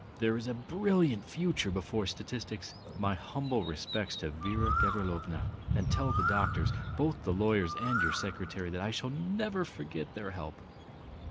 There is a brilliant future before statistics! My humble respects to Vera Gavrilovna, and tell the doctors, both the lawyers and your secretary, that I shall never forget their help!